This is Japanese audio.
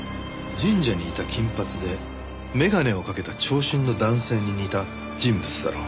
神社にいた金髪で眼鏡をかけた長身の男性に似た人物だろ。